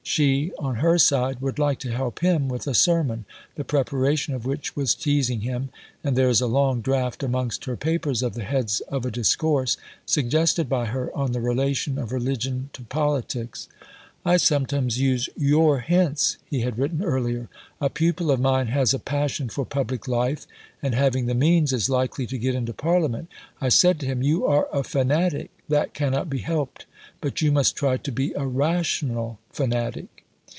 She, on her side, would like to help him with a sermon, the preparation of which was teasing him, and there is a long draft amongst her papers of the heads of a discourse, suggested by her, on the relation of religion to politics. "I sometimes use your hints," he had written earlier. "A pupil of mine has a passion for public life, and having the means, is likely to get into Parliament. I said to him, 'You are a fanatic, that cannot be helped, but you must try to be a "rational fanatic."'"